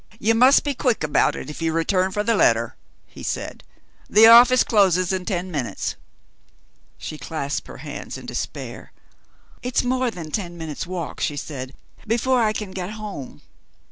"You must be quick about it if you return for the letter," he said, "the office closes in ten minutes." She clasped her hands in despair. "It's more than ten minutes' walk," she said, "before I can get home."